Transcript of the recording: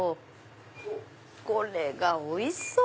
これがおいしそう！